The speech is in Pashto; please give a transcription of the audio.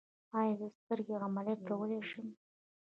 ایا زه سترګې عملیات کولی شم؟